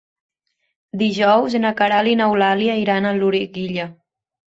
Dijous na Queralt i n'Eulàlia iran a Loriguilla.